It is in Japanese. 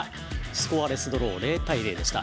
スコアレスドロー、０対０でした。